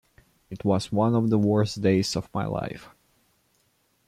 It was one of the worst days of my life.